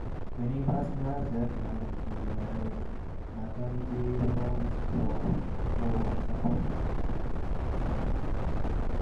Many birth mothers turned to maternity homes for support and services.